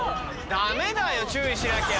ダメだよ注意しなきゃ。